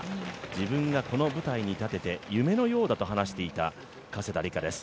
自分がこの舞台に立てて夢のようだと話していた加世田梨花です